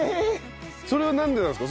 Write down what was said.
それはなんでなんですか？